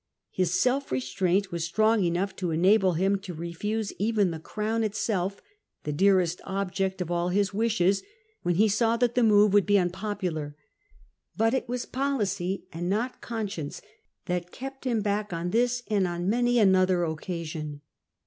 His self restraint was strong enough to enable him to refuse even the crown itself, the dearest object of all his wishes, when he saw that the move would be unpopular. But it was policy and not conscience that kept him back on this and on many another occasion.